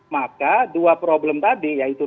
maka dua problem tadi yaitu